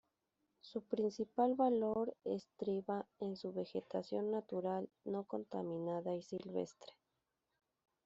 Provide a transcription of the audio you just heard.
Su principal valor estriba en su vegetación natural no contaminada y silvestre.